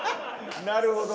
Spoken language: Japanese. なるほど。